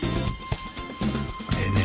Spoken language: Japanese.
えっねえ